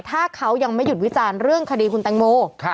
ถ้าเขายังไม่หยุดวิจารณ์เรื่องคดีคุณแตงโม